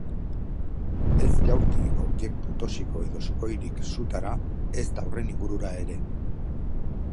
Ez jaurti objektu toxiko edo sukoirik sutara, ezta horren ingurura ere.